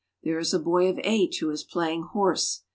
There is a boy of eight who is playing horse.